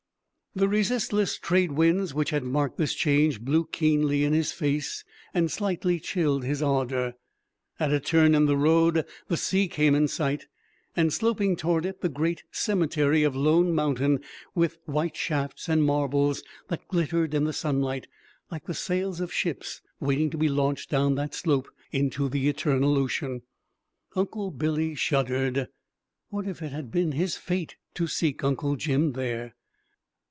The resistless trade winds which had marked this change blew keenly in his face and slightly chilled his ardor. At a turn in the road the sea came im sight, and sloping towards it the great Cemetery of Lone Mountain, with white shafts and marbles that glittered in the sunlight like the sails of ships waiting to be launched down that slope into the Eternal Ocean. Uncle Billy shuddered. What if it had been his fate to seek Uncle Jim there!